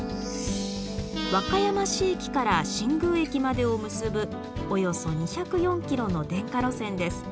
和歌山市駅から新宮駅までを結ぶおよそ２０４キロの電化路線です。